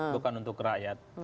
bukan untuk rakyat